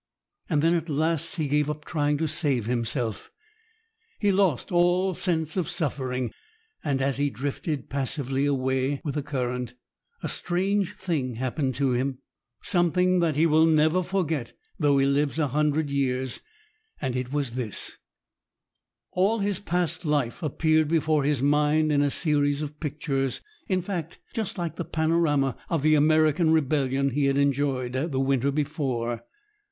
Then at last he gave up trying to save himself. He lost all sense of suffering, and as he drifted passively away with the current, a strange thing happened to him—something that he will never forget, though he lives a hundred years—and it was this: all his past life appeared before his mind in a series of pictures, in fact, just like the panorama of the American rebellion he had enjoyed the winter before.